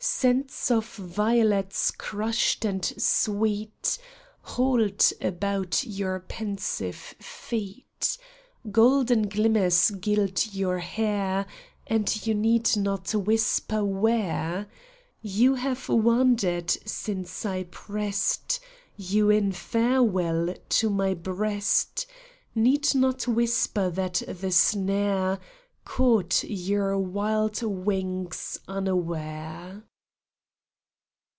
Scents of violets crushed and sweet. Halt about your pensive feet ; Golden glimmers gild your hair. And you need not whisper where You have wandered since I pressed You in farewell to my breast ; Need not whisper that the snare Caught your wild wings unaware.